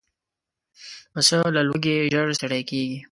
پسه له لوږې ژر ستړی کېږي.